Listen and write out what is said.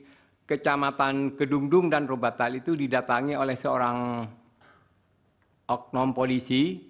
di kecamatan kedungdung dan rubatal itu didatangi oleh seorang oknum polisi